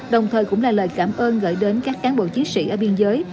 đồng thời cũng là lời cảm ơn gửi đến các cán bộ chiến sĩ ở biên giới